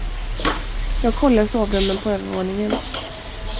Jag kollar sovrummen på övervåningen.